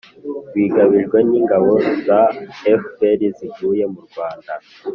wigabijwe n'ingabo za fpr zivuye mu rwanda,